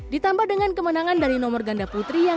ditambah dengan kemenangan dari nomor ganda putri